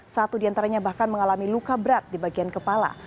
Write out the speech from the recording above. satu diantaranya bahkan mengalami luka berat di bagian kepala